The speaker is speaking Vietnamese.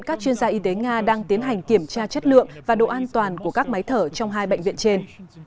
các chuyên gia y tế nga đang tiến hành kiểm tra chất lượng và độ an toàn của các máy thở trong hai bệnh viện trên